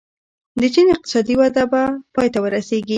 د چین اقتصادي وده به پای ته ورسېږي.